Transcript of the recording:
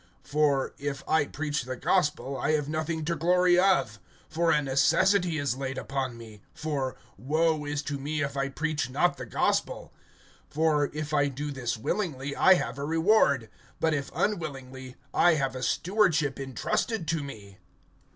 (16)For if I preach the gospel, I have nothing to glory of; for a necessity is laid upon me; for, woe is to me, if I preach not the gospel! (17)For if I do this willingly, I have a reward; but if unwillingly, I have a stewardship intrusted to me.